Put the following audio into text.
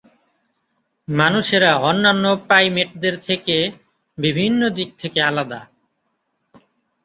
মানুষেরা অন্যান্য প্রাইমেটদের থেকে বিভিন্ন দিক থেকে আলাদা।